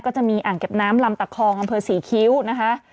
จะมีอ่างเก็บน้ำลำตะคองอำเภอศรีคิ้วนะคะ